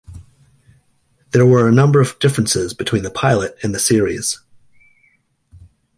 There were a number of differences between the pilot and the series.